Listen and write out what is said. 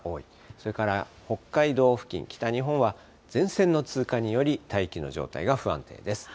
それから北海道付近、北日本は前線の通過により大気の状態が不安定です。